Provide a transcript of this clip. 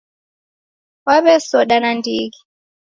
Waw'esoda nandighi